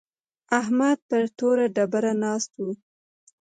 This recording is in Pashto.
احمد پر توره ډبره ناست و.